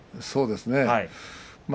そうですね。